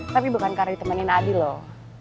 tapi bukan karena ditemenin adi loh